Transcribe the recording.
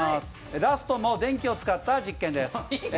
ラストも電気を使った実験です。